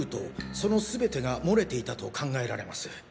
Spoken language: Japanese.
その全てが漏れていたと考えられます。